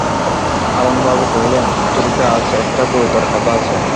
হারানবাবু কহিলেন, সুচরিতা, আজ একটা গুরুতর কথা আছে।